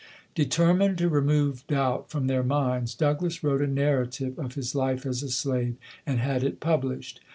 Determined to remove doubt from their minds, Douglass wrote a narrative of his life as a slave and had it published.